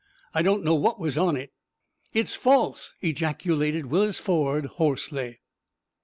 I don't know what was on it." "It is false!" ejaculated Willis Ford, hoarsely.